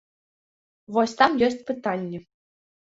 Вось там ёсць пытанні.